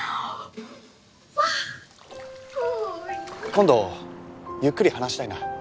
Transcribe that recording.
今度ゆっくり話したいな。